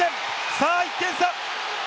さぁ１点差！